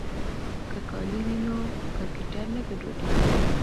که کالي وي نو کرکټر نه ګډوډیږي.